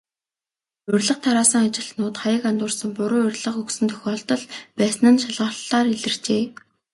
Урилга тараасан ажилтнууд хаяг андууран, буруу урилга өгсөн тохиолдол байсан нь шалгалтаар илэрчээ.